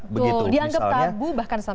betul dianggap tabu bahkan sampai sekarang